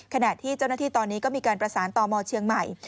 ขณะที่เจ้าหน้าที่ตอนนี้ก็มีการประสานต่อมเชียงใหม่